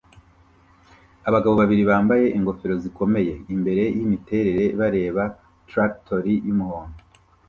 Abagabo babiri bambaye ingofero zikomeye imbere yimiterere bareba traktori yumuhondo